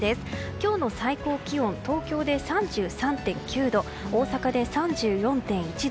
今日の最高気温は東京で３３．９度大阪で３４．１度